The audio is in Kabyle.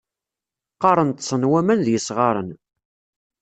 Qqaren ṭsen waman d yisɣaṛen.